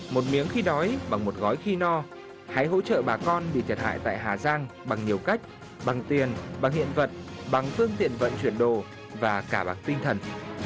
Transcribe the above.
một miếng khi đói bằng một gói khi no hãy hỗ trợ bà con bị thiệt hại tại hà giang bằng nhiều cách bằng tiền bằng hiện vật bằng phương tiện vận chuyển đồ và cả bằng tinh thần